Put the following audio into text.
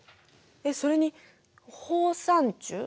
それにホーサンチュー？